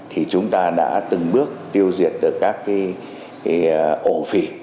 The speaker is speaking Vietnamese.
thì chúng ta đã từng bước tiêu diệt được các cái ổ phỉ